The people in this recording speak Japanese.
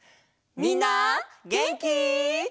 みんなげんき？